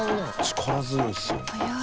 力強いですよね。